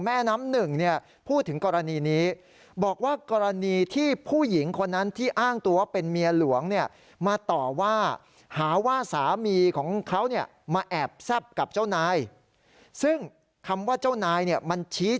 แม่น้ำหนึ่งเนี่ยพูดถึงกรณีนี้